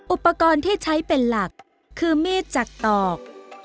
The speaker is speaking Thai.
อุปกรณ์ที่ใช้เป็นหลักคือมีดจากตอก